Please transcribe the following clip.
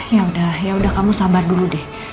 yaudah yaudah kamu sabar dulu deh